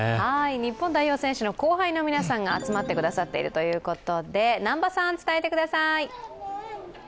日本代表選手の後輩の皆さんが集まってくださっているということで南波さん、伝えてください。